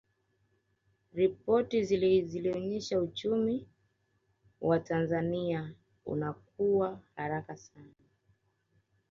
ripoti zilionyesha uchumi wa tanzania unakua haraka sana